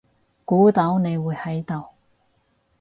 估到你會喺度